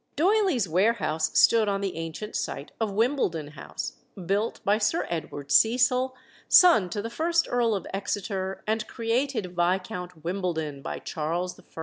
Doyley's warehouse stood on the ancient site of Wimbledon House, built by Sir Edward Cecil, son to the first Earl of Exeter, and created Viscount Wimbledon by Charles I.